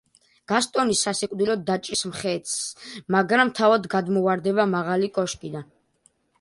გასტონი სასიკვდილოდ დაჭრის მხეცს, მაგრამ თავად გადმოვარდება მაღალი კოშკიდან.